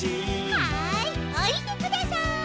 はいおりてください。